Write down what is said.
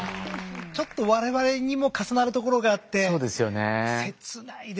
ちょっと我々にも重なるところがあって切ないですね。